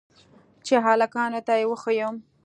چې هلکانو ته يې وښييم.